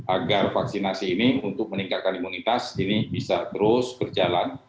agar vaksinasi ini untuk meningkatkan imunitas ini bisa terus berjalan